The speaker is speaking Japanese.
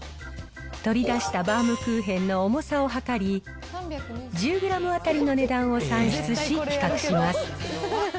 取り出したバウムクーヘンの重さを量り、１０グラム当たりの値段を算出し、比較します。